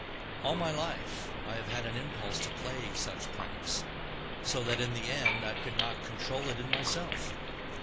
All my life I have had an impulse to play such pranks, so that in the end I could not control it in myself.